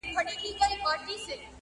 نه په زرو یې سو د باندي را ایستلای٫